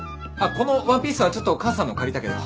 このワンピースはちょっと母さんのを借りたけど。